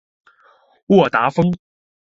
沃达丰